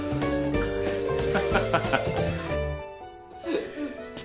ハハハハッ。